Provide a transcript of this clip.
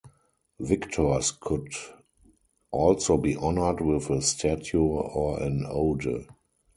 Victors could also be honored with a statue or an ode.